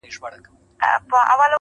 له دې غمه همېشه یمه پرېشانه!.